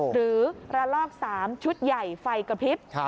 ระลอก๓ชุดใหญ่ไฟกระพริบ